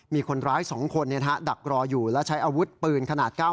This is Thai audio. มีคนร้ายสองคนเนี่ยฮะดักรออยู่แล้วใช้อาวุธปืนขนาดเก้า